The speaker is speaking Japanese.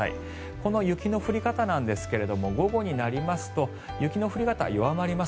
この雪の降り方なんですが午後になりますと雪の降り方は弱まります。